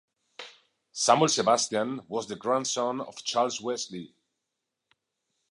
Samuel Sebastian was the grandson of Charles Wesley.